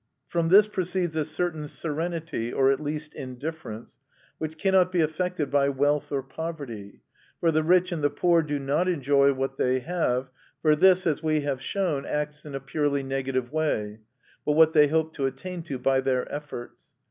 From this proceeds a certain serenity, or at least indifference, which cannot be affected by wealth or poverty; for the rich and the poor do not enjoy what they have, for this, as we have shown, acts in a purely negative way, but what they hope to attain to by their efforts.